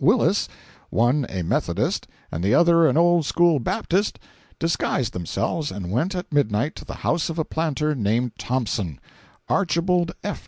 Willis, one a Methodist and the other an Old School Baptist, disguised themselves, and went at midnight to the house of a planter named Thompson—Archibald F.